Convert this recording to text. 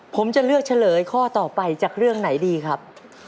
ผมจะเลือกเฉลยข้อต่อไปจากเรื่องไหนดีครับ